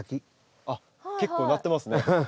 あっ結構なってますね。